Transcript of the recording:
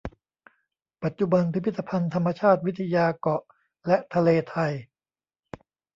ปัจจุบันพิพิธภัณฑ์ธรรมชาติวิทยาเกาะและทะเลไทย